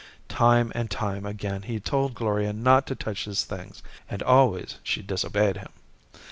Time and time again he'd told Gloria not to touch his things, and always she'd disobeyed him.